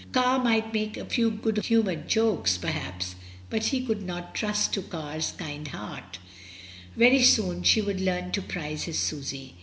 Car might make a few good humoured jokes, perhaps, but he could trust to Car's kind heart, very soon she would learn to prize his Susy.